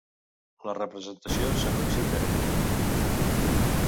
La representació s'anuncia interactiva.